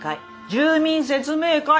住民説明会。